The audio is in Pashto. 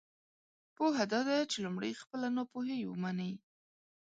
پوهه دا ده چې لمړی خپله ناپوهۍ ومنی!